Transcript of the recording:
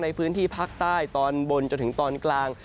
ในพื้นที่ภาคใต้ตอนบนจนถึงตอนกลาง